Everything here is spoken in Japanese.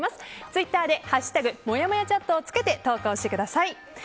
ツイッターで「＃もやもやチャット」をつけて投稿してください。